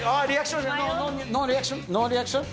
ノーリアクション？